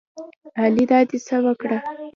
الۍ دا دې څه وکړه